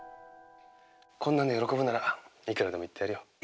こんなんで喜ぶならいくらでも言ってやるよ。